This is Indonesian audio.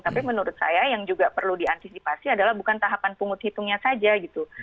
tapi menurut saya yang juga perlu diantisipasi adalah bukan tahapan pungut hitungnya saja gitu